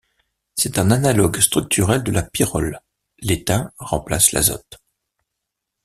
C'est un analogue structurel de la pyrrole, l'étain remplaçant l'azote.